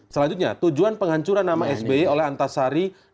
selanjutnya tujuan penghancuran nama sbe oleh antarsari dan para aktor di bukit lombok